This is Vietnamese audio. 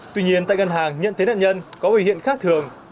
tuy nhiên tại ngân hàng nhận thấy nạn nhân có biểu hiện khác thường